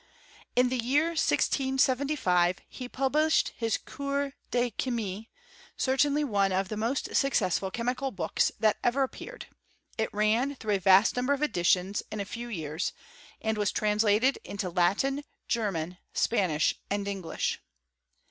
In the yeai* 1675 he published his Cours de Chimie, certainly onfr of the most successful chemical books that ever ap^' peared ; it ran tlirough a vast number of editions in ii few years, and was translated into Latin, German, Spanish, and English.